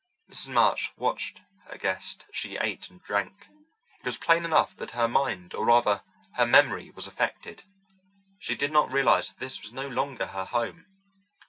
Mrs. March watched her guest as she ate and drank. It was plain enough that her mind, or rather her memory, was affected. She did not realize that this was no longer her home.